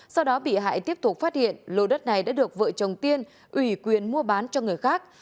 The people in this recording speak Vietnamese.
sau đó bị hại tiếp tục phát hiện lô đất này đã được vợ chồng tiên ủy quyền mua bán cho người khác